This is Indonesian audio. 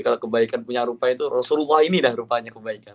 kalau kebaikan punya rupa itu rasulullah ini dah rupanya kebaikan